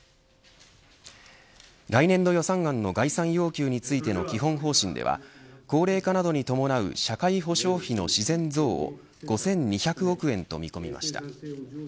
来年度予算案の概算要求についての基本方針では高齢化などに伴う社会保障費の自然増を５２００億円と見込みました。